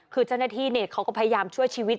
คือเจ้าหน้าที่เขาก็พยายามช่วยชีวิต